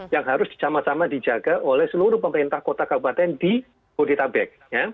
yang harus sama sama dijaga oleh seluruh pemerintah kota kabupaten di bodetabek